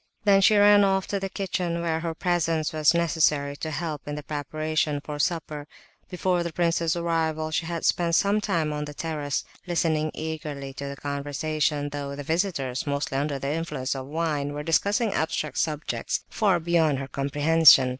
Then she ran off to the kitchen, where her presence was necessary to help in the preparations for supper. Before the prince's arrival she had spent some time on the terrace, listening eagerly to the conversation, though the visitors, mostly under the influence of wine, were discussing abstract subjects far beyond her comprehension.